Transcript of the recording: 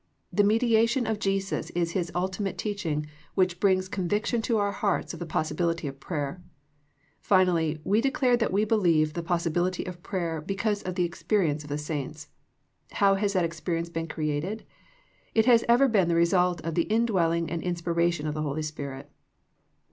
The meditation of Jesus is His ultimate teaching which brings con viction to our hearts of the possibility of prayer. Finally, we declared that we believe in the possi bility of prayer because of the experience of the saints. How has that experience been created ? It has ever been the result of the indwelling and inspiration of the Holy Spirit.